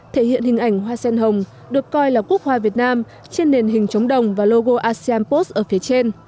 thể hiện hình ảnh hoa sen hồng được coi là quốc hoa việt nam trên nền hình chống đồng và logo asean post ở phía trên